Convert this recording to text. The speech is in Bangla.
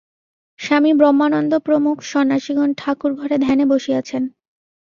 স্বামী ব্রহ্মানন্দ-প্রমুখ সন্ন্যাসিগণ ঠাকুর-ঘরে ধ্যানে বসিয়াছেন।